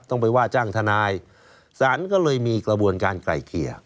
ต้องไปว่าจ้างทนายศาลก็เลยมีกระบวนการไกล่เกลี่ย